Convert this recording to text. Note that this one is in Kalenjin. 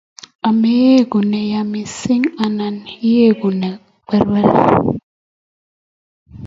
Ameegu ne ya miising' anan iegu ne perber.